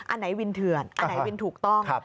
อันไหนวินเถื่อนอันไหนวินถูกต้อง